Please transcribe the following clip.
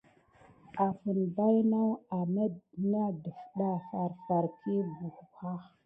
Afən baynawa amet ne ɗifta farfar kiy ɓubaha.